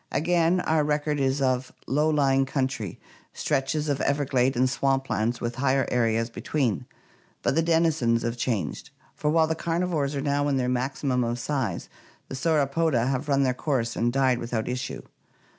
Again our record is of low lying country — stretches of everglade BEAKED DINOSAURS AND ORIGIN OF BIRDS 531 and swamp lands with higher areas between — but the denizens have changed; for while the carnivores are now in their maximum of size, the Sauropoda have run their course and died without issue.